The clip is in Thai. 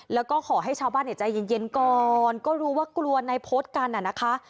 แล้วก็ขอให้ชาวบ้านใจเย็นก่อนก็รู้ว่ากลัวในโพสต์กันน่ะนะคะ